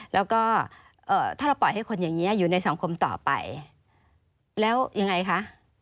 แล้วก็ถ้าเราปล่อยให้คนอย่างนี้อยู่ในสังคมต่อไปแล้วยังไงคะ